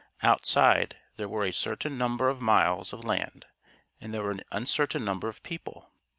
Outside, there were a certain number of miles of land and there were an uncertain number of people.